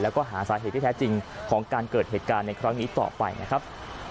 แล้วก็หาสาเหตุที่แท้จริงของการเกิดเหตุการณ์ในครั้งนี้ต่อไปนะครับ